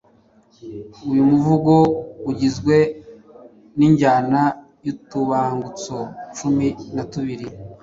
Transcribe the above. Uyu muvugo ugizwe n’injyana y’utubangutso cumi na tubiri.